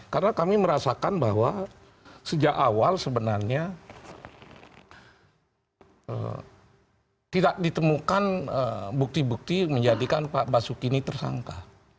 karena kami merasakan bahwa sejak awal sebenarnya tidak ditemukan bukti bukti menjadikan pak basukini tersangka